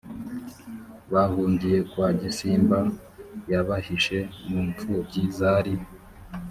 bahungiye kwa gisimba yabahishe mu mfubyi zari